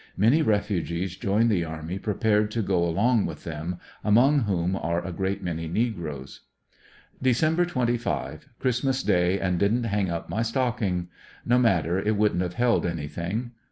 Many refugees join the array prepared to go along with them, among whom are a great many negroes. Dec. 25. — Christmas day and didn't hang up my stocking. No matter, it wouldn't have held anything.